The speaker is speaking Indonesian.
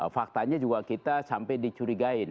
faktanya juga kita sampai dicurigain